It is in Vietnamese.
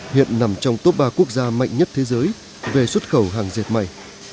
hiện nằm trong top ba quốc gia mạnh nhất thế giới về xuất khẩu hàng dệt may